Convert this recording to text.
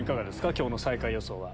今日の最下位予想は。